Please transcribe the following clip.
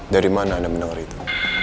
dari mana anda mendengar itu